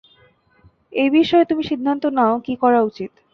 এই বিষয়ে তুমি সিদ্ধান্ত নাও কি করা উচিত।